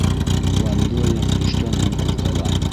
— Гвандоя төштән һуң ҡуҙғала.